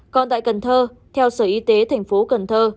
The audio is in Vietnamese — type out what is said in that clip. còn tại cần thơ theo sở y tế thành phố cần thơ